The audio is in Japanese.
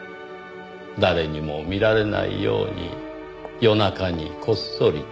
誰にも見られないように夜中にこっそりと。